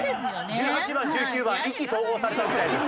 １８番１９番意気投合されたみたいです。